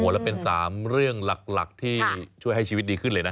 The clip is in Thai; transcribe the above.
แล้วเป็น๓เรื่องหลักที่ช่วยให้ชีวิตดีขึ้นเลยนะ